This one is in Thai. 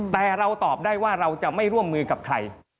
แต่เราตอบได้ว่าเราจะไม่ร่วมมือกับใคร